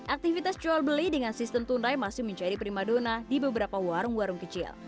aktivitas jual beli dengan sistem tunai masih menjadi prima dona di beberapa warung warung kecil